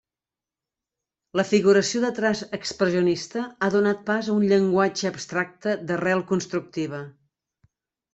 La figuració de traç expressionista ha donat pas a un llenguatge abstracte d'arrel constructiva.